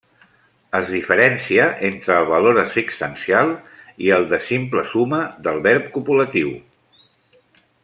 Es diferencia entre el valor existencial i del de simple suma del verb copulatiu.